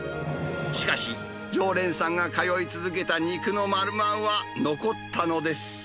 しかし、常連さんが通い続けた肉のマルマンは残ったのです。